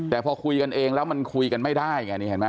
แต่พอคุยกันเองแล้วมันคุยกันไม่ได้